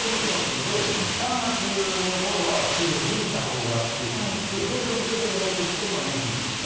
３月の頃は中国に蛇行のピークがあって徐々に徐々に動いてきて今、日本にピークが。